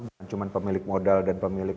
bukan cuma pemilik modal dan pemilik